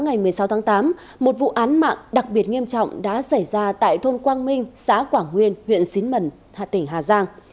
ngày một mươi sáu tháng tám một vụ án mạng đặc biệt nghiêm trọng đã xảy ra tại thôn quang minh xã quảng nguyên huyện xín mẩn hà tỉnh hà giang